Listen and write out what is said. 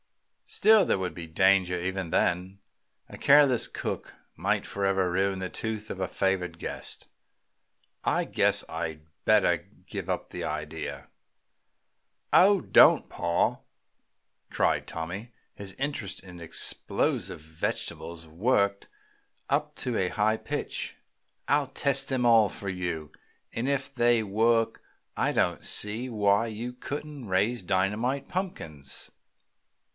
Still, there would be danger even then. A careless cook might forever ruin the tooth of a favored guest. I guess I'd better give up the idea." "Oh, don't, pa!" cried Tommy, his interest in explosive vegetables worked up to a high pitch. "I'll test 'em all for you, and if they work I don't see why you couldn't raise dynamite punkins!"